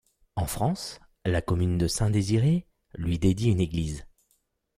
En France, la commune de Saint-Désiré lui dédie une église.